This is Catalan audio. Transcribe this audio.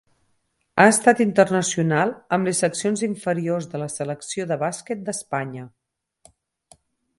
Ha estat internacional amb les seccions inferiors de la Selecció de bàsquet d'Espanya.